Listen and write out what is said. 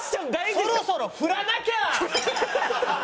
そろそろ振らなきゃ！